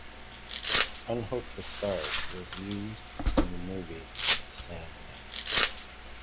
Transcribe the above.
"Unhook the Stars" was used in the movie of the same name.